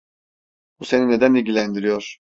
Bu seni neden ilgilendiriyor?